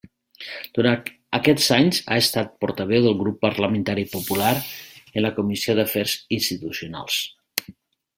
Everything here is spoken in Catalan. Durant aquests anys ha estat portaveu del Grup Parlamentari Popular en la Comissió d'Afers Institucionals.